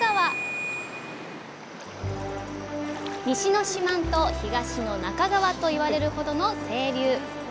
「西の四万十東の那珂川」といわれるほどの清流。